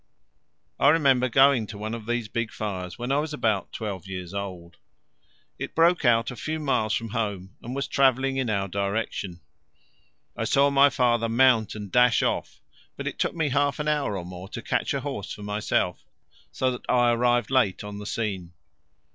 I remember going to one of these big fires when I was about twelve years old. It broke out a few miles from home and was travelling in our direction; I saw my father mount and dash off, but it took me half an hour or more to catch a horse for myself, so that I arrived late on the scene.